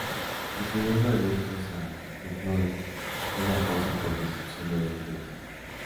Incluyendo en estos a Bignone en la causa por destrucción de documentos.